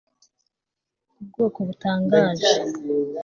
Ubwoko butangaje